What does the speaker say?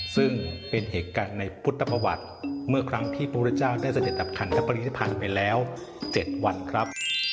ซึ่งเป็นเหตุการณ์ในพุทธประวัติเมื่อครั้งที่พุทธเจ้าได้เสด็จดับคันและปริธิพันธ์ไปแล้ว๗วันครับ